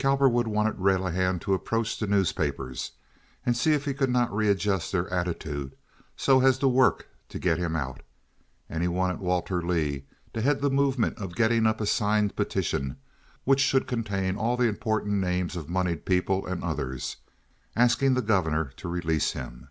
Cowperwood wanted Relihan to approach the newspapers and see if he could not readjust their attitude so as to work to get him out, and he wanted Walter Leigh to head the movement of getting up a signed petition which should contain all the important names of moneyed people and others, asking the Governor to release him.